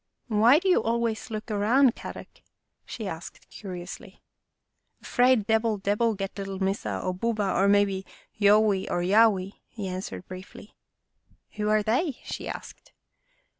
11 Why do you always look around, Kadok," she asked curiously. " 'Fraid Debil debil get little Missa or Buba or maybe Yo wi or Ya wi" he answered briefly. " Who are they? " she asked.